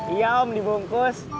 iya om dibungkus